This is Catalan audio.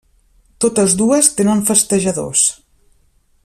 Totes dues tenen festejadors.